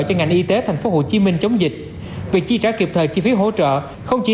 cho ngành y tế thành phố hồ chí minh chống dịch việc chi trả kịp thời chi phí hỗ trợ không chỉ